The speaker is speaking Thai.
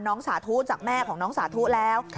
สาธุจากแม่ของน้องสาธุแล้ว